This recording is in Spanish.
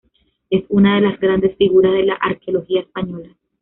Es una de las grandes figuras de la arqueología española.